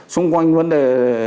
xung quanh vấn đề